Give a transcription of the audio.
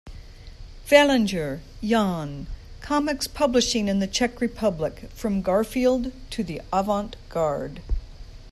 Velinger, Jan. Comics Publishing in the Czech Republic: From Garfield to the Avant Garde.